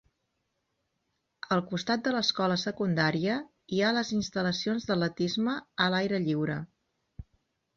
Al costat de l'escola secundària hi ha les instal·lacions d'atletisme a l'aire lliure.